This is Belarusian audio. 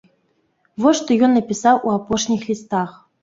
Вось што ён напісаў у апошніх лістах.